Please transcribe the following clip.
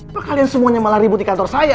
pak kalian semuanya malah ribut di kantor saya